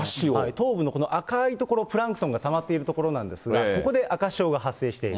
東部のこの赤い所、プランクトンがたまっている所なんですけれども、ここで赤潮が発生している。